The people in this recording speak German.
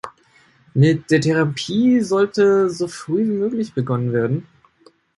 Mit der Therapie sollte so früh wie möglich begonnen werden.